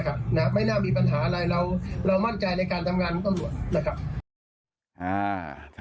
ไม่น่ามีปัญหาอะไรเรามั่นใจในการทำงานของตำรวจนะครับ